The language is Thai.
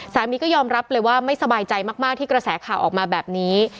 สามีก็ยอมรับเลยว่าไม่สบายใจมากที่กระแสข่าวออกมาแบบนี้